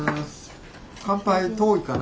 乾杯遠いかな？